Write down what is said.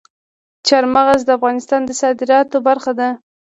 چار مغز د افغانستان د صادراتو برخه ده.